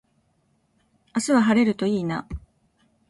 明日は晴れるといいな